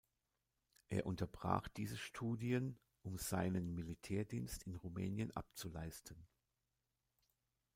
Er unterbrach diese Studien, um seinen Militärdienst in Rumänien abzuleisten.